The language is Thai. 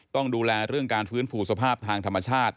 ต้องดูแลเรื่องการฟื้นฟูสภาพทางธรรมชาติ